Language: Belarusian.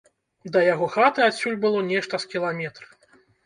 Да яго хаты адсюль было нешта з кіламетр.